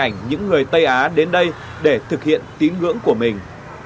với hình ảnh những người tây á đến đây để thực hiện tín ngưỡng của mình